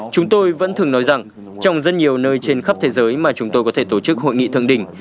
chúng tôi vẫn thường nói rằng trong rất nhiều nơi trên khắp thế giới mà chúng tôi có thể tổ chức hội nghị thượng đỉnh